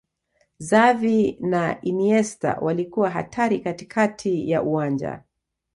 xavi na iniesta walikuwa hatari katikati ya uwanja